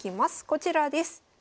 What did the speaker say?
こちらです。